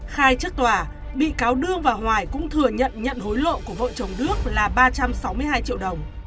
khai trước tòa bị cáo đương và hoài cũng thừa nhận nhận hối lộ của vợ chồng đức là ba trăm sáu mươi hai triệu đồng